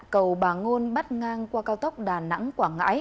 cầu bà ngôn bắt ngang qua cao tốc đà nẵng quảng ngãi